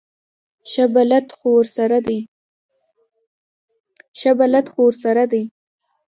ښه بلد خو ورسره دی.